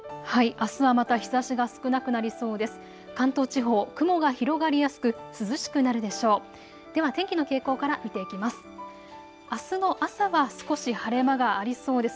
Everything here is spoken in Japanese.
あすはまた日ざしが少なくなりそうです。